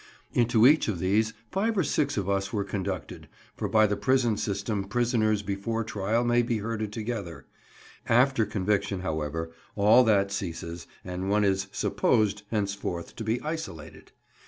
Into each of these five or six of us were conducted, for by the prison system prisoners before trial may be herded together; after conviction, however, all that ceases, and one is "supposed" henceforth to be isolated.